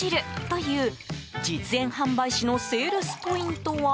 という実演販売士のセールスポイントは。